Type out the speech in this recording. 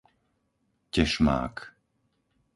Tešmák